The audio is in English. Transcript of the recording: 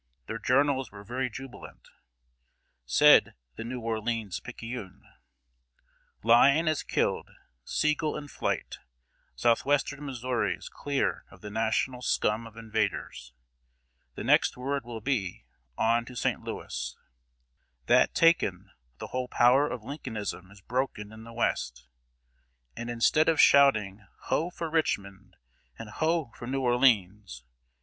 Their journals were very jubilant. Said The New Orleans Picayune: "Lyon is killed, Sigel in flight; southwestern Missouri is clear of the National scum of invaders. The next word will be, 'On to St. Louis.' That taken, the whole power of Lincolnism is broken in the West, and instead of shouting 'Ho for Richmond!' and 'Ho for New Orleans!'